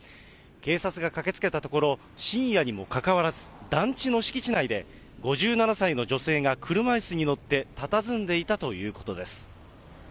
警察が駆けつけたところ、深夜にもかかわらず、団地の敷地内で、５７歳の女性が車いすに乗って、たたずんでいたということです。